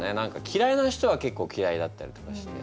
きらいな人は結構きらいだったりとかして。